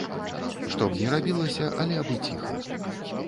Што б ні рабілася, але абы ціха.